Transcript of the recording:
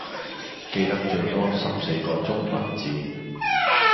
記得最多十四個中文字